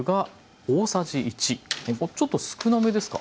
ちょっと少なめですか。